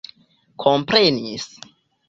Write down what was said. komprenis